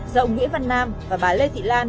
do ông nguyễn văn nam và bà lê thị lan